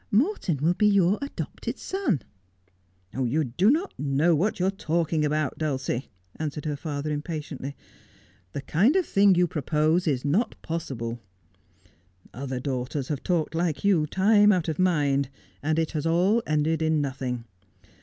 Morton will be your adopted son.' 'You do not know what you are talking about, Dulcie,' answered her father impatiently. ' The kind of thing you propose is not possible. Other daughters have talked like you, time out of mind, and it has all ended in nothing.